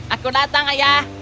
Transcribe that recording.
aku datang ayah